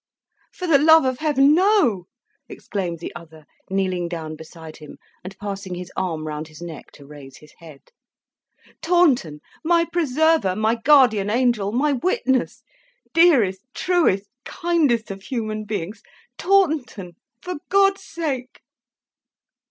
"For the love of Heaven, no!" exclaimed the other, kneeling down beside him, and passing his arm round his neck to raise his head. "Taunton! My preserver, my guardian angel, my witness! Dearest, truest, kindest of human beings! Taunton! For God's sake!"